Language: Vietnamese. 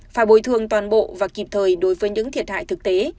phải bồi thường toàn bộ và kịp thời đối với những thiệt hại thực tế